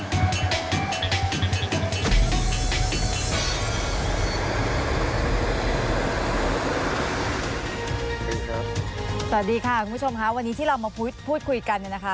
สวัสดีครับสวัสดีค่ะคุณผู้ชมค่ะวันนี้ที่เรามาพูดคุยกันเนี่ยนะคะ